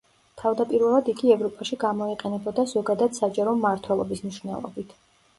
თავდაპირველად იგი ევროპაში გამოიყენებოდა ზოგადად საჯარო მმართველობის მნიშვნელობით.